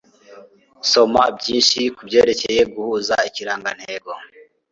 Soma byinshi kubyerekeye guhuza Ikirangantego